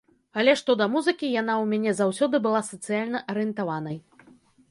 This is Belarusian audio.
Але што да музыкі, яна ў мяне заўсёды была сацыяльна арыентаванай.